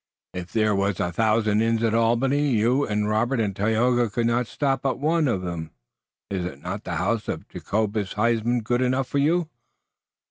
If there wass a thousand inns at Albany you und Robert und Tayoga could not stop at one uf them. Iss not the house uf Jacobus Huysman good enough for you?"